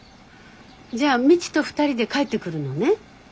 じゃあ未知と２人で帰ってくるのね。